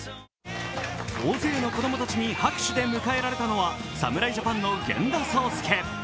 大勢の子供たちに拍手で迎えられたのは侍ジャパンの源田壮亮。